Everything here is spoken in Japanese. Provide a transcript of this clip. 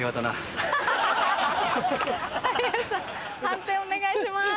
判定お願いします。